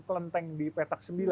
kelenteng di petak sembilan